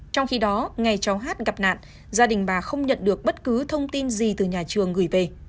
trong khi đó ngày cháu hát gặp nạn gia đình bà không nhận được bất cứ thông tin gì từ nhà trường gửi về